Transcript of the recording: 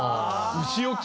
牛置き？